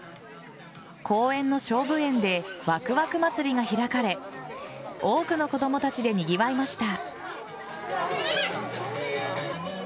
公園のしょうぶ園でわくわく祭りが開かれ多くの子供たちでにぎわいました。